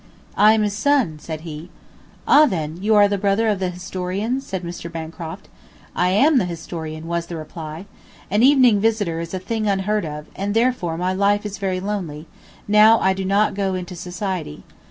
"I am his son," said he. "Ah, then, you are the brother of the historian?" said Mr. Bancroft. "I am the historian," was the reply. ... An evening visitor is a thing unheard of, and therefore my life is very lonely, now I do not go into society.